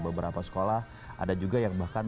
beberapa sekolah ada juga yang bahkan